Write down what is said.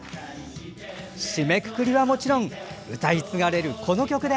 締めくくりはもちろん歌い継がれる、この曲で。